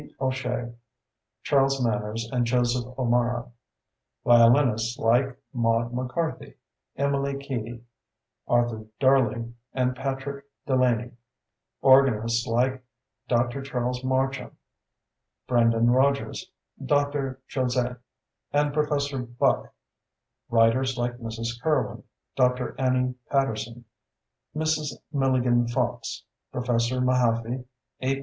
O'Shea, Charles Manners, and Joseph O'Mara; violinists like Maud McCarthy, Emily Keady, Arthur Darley, and Patrick Delaney; organists like Dr. Charles Marchant, Brendan Rogers, Dr. Jozé, and Professor Buck; writers like Mrs. Curwen, Dr. Annie Patterson, Mrs. Milligan Fox, Professor Mahaffy, A.